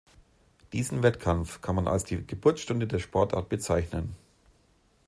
Diesen Wettkampf kann man als die Geburtsstunde der Sportart bezeichnen.